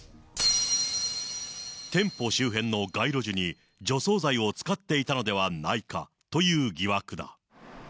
店舗周辺の街路樹に除草剤を使っていたのではないかという疑惑だ。